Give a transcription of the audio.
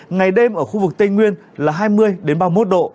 ngày đêm ở khu vực tây nguyên là hai mươi ba mươi một độ